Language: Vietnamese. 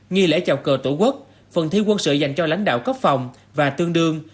nghi lễ chào cờ tổ quốc phần thi quân sự dành cho lãnh đạo cấp phòng và tương đương